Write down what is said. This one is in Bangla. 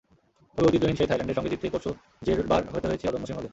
তবে ঐতিহ্যহীন সেই থাইল্যান্ডের সঙ্গে জিততেই পরশু জেরবার হতে হয়েছে অদম্য সিংহদের।